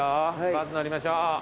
バス乗りましょう。